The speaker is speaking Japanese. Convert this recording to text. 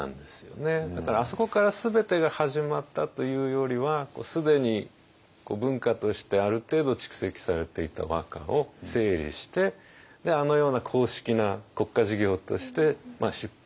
だからあそこから全てが始まったというよりは既に文化としてある程度蓄積されていた和歌を整理してあのような公式な国家事業として出版